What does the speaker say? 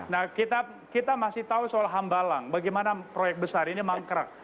nah kita masih tahu soal hambalang bagaimana proyek besar ini mangkrak